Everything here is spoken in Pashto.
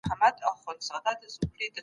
عزم مو غوڅ.